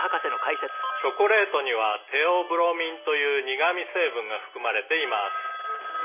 「チョコレートにはテオブロミンという苦味成分が含まれています」